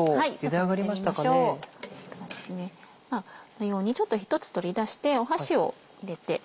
このように１つ取り出して箸を入れて。